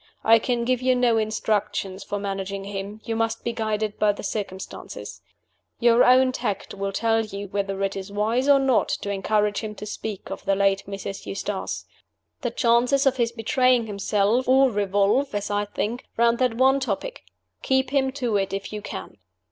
I can give you no instructions for managing him you must be guided by the circumstances. Your own tact will tell you whether it is wise or not to encourage him to speak of the late Mrs. Eustace. The chances of his betraying himself all revolve (as I think) round that one topic: keep him to it if you can."